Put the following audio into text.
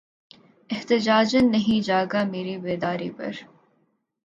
احتجاجاً نہیں جاگا مری بیداری پر